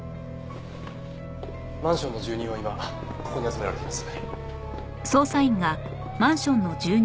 マンションの住人は今ここに集められています。